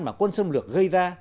mà quân xâm lược gây ra